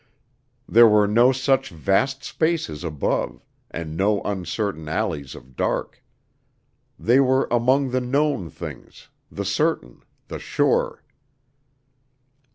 There were no such vast spaces above, and no uncertain alleys of dark. They were among the known things, the certain, the sure.